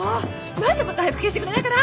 何でもっと早く消してくれないかな！